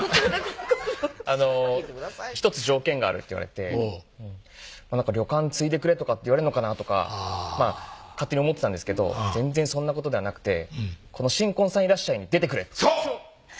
「１つ条件がある」って言われて「旅館継いでくれ」とかって言われんのかなとか勝手に思ってたんですけど全然そんなことではなくて「この新婚さんいらっしゃい！に出てくそう！